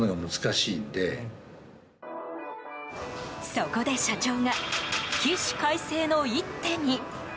そこで社長が起死回生の一手に。